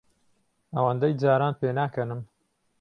ئەوەندەی جاران پێناکەنم.